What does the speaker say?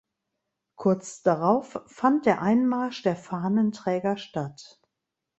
Kurz darauf fand der Einmarsch der Fahnenträger statt.